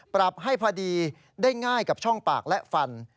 ปรับให้พอดีได้ง่ายกับช่องปากและฟัน